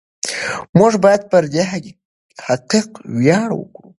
موږ باید پر دې حقیقت ویاړ وکړو.